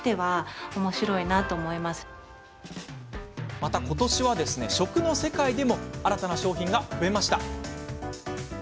また、ことしは食の世界でも新たな商品が増えました。